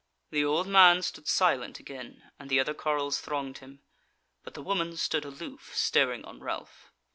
The old man stood silent again, and the other carles thronged him; but the woman stood aloof staring on Ralph.